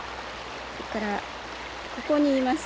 それからここにいます